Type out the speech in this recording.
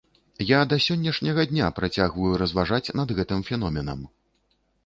Я да сённяшняга дня працягваю разважаць над гэтым феноменам.